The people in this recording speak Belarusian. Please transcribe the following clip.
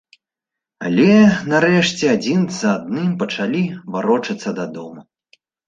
Але, нарэшце, адзін за адным пачалі варочацца дадому.